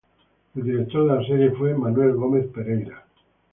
El director de la serie fue Manuel Gómez Pereira.